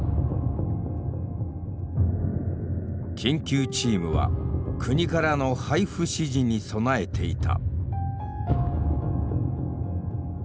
緊急チームは国からの配布指示に備えていた。